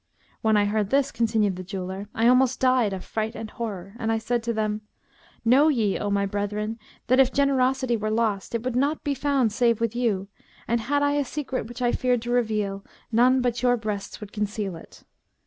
When I heard this" (continued the jeweller) "I almost died of fright and horror, and I said to them, 'Know ye, O my brethren, that if generosity were lost, it would not be found save with you; and had I a secret which I feared to reveal, none but your breasts would conceal it.'